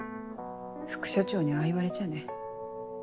副署長にああ言われちゃね。